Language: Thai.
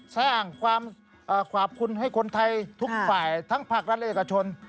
สร้างความขอบคุณให้คนไทยทุกฝ่ายทั้งภาครัฐและเอกชน